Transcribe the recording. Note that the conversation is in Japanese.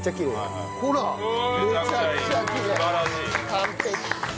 完璧。